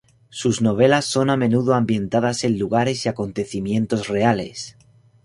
Sus novelas son a menudo ambientadas en lugares y acontecimientos reales.